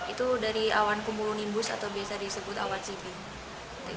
itu dari awan kumulonimbus atau biasa disebut awan chibing